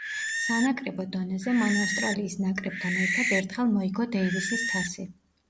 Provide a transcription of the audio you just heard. სანაკრებო დონეზე, მან ავსტრალიის ნაკრებთან ერთად ერთხელ მოიგო დეივისის თასი.